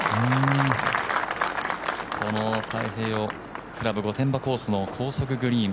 この太平洋クラブ御殿場コースの高速グリーン。